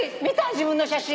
自分の写真。